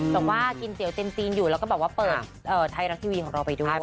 แต่ว่ากินเตี๋ยเต้นจีนอยู่แล้วก็แบบว่าเปิดไทยรัฐทีวีของเราไปด้วย